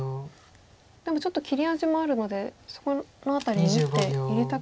でもちょっと切れ味もあるのでそこの辺りに１手入れたくはなりますが。